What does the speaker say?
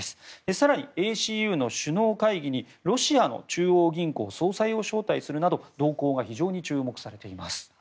更に、ＡＣＵの首脳会議にロシアの中央銀行総裁を招待するなど動向が非常に注目されています。